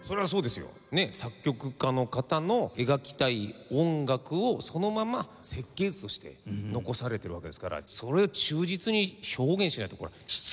作曲家の方の描きたい音楽をそのまま設計図として残されてるわけですからそれを忠実に表現しないとこれは失礼に値する。